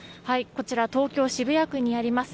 こちら東京渋谷区にあります。